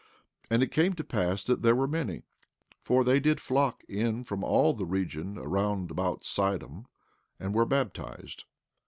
15:14 And it came to pass that they were many; for they did flock in from all the region round about Sidom, and were baptized.